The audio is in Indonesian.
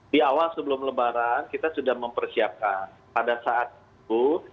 di awal sebelum lebaran kita sudah mempersiapkan pada saat itu